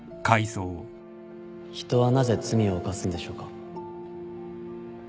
人はなぜ罪を犯すんでしょうか？